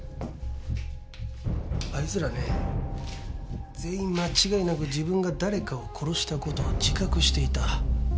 あいつらはね全員間違いなく自分が誰かを殺した事は自覚していた。